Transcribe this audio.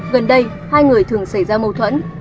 gần đây hai người thường xảy ra mâu thuẫn